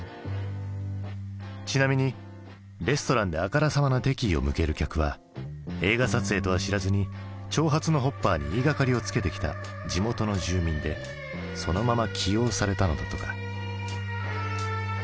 ちなみにレストランであからさまな敵意を向ける客は映画撮影とは知らずに長髪のホッパーに言いがかりをつけてきた地元の住民でそのまま起用されたのだとか。